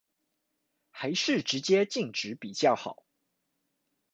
還是直接禁止比較好